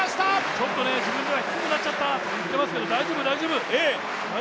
ちょっと自分では低くなってきたといっていますけど大丈夫。